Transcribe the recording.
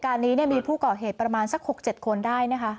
การนี้มีผู้ก่อเหตุประมาณสัก๖๗คนได้นะคะ